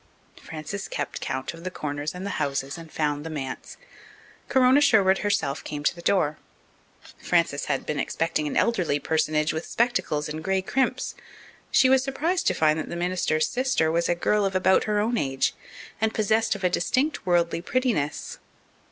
Frances kept count of the corners and the houses and found the manse. Corona Sherwood herself came to the door. Frances had been expecting an elderly personage with spectacles and grey crimps; she was surprised to find that the minister's sister was a girl of about her own age and possessed of a distinct worldly prettiness.